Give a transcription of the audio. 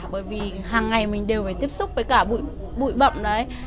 bởi vì hằng ngày mình đều phải tiếp xúc với cả bụi bẩn đấy